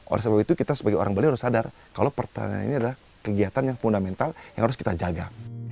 oleh sebab itu kita sebagai orang bali harus sadar kalau pertanian ini adalah kegiatan yang fundamental yang harus kita jaga